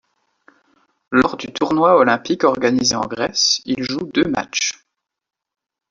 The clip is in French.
Lors du tournoi olympique organisé en Grèce, il joue deux matchs.